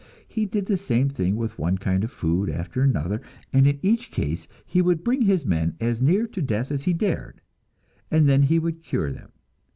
He did this same thing with one kind of food after another, and in each case he would bring his men as near to death as he dared, and then he would cure them.